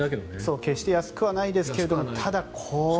決して安くはないですけど。